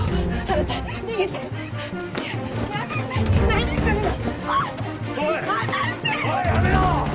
何するの！